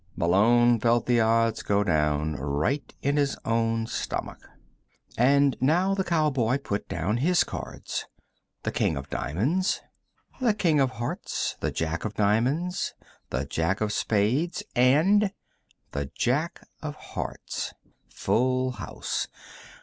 Malone felt the odds go down, right in his own stomach. And now the cowboy put down his cards. The King of diamonds. The King of hearts. The Jack of diamonds. The Jack of spades. And the Jack of hearts. Full house.